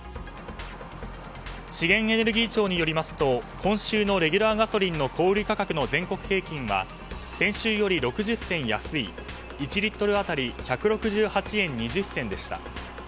資源エネルギー庁によりますと今週のレギュラーガソリンの小売価格の全国平均は先週より６０銭安い１リットル当たり１６８円２０銭でした。